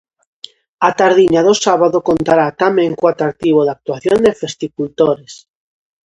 A tardiña do sábado contará tamén co atractivo da actuación de Festicultores.